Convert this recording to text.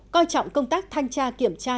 bốn coi trọng công tác thanh tra kiểm tra